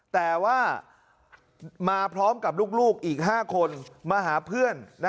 แต่ว่ามาพร้อมกับลูกอีก๕คนมาหาเพื่อน